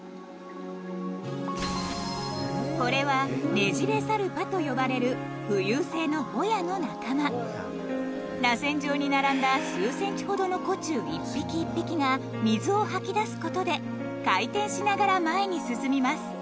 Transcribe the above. これは「ネジレサルパ」と呼ばれる浮遊性のホヤの仲間螺旋状に並んだ数センチほどの個虫１匹１匹が水を吐き出すことで回転しながら前に進みます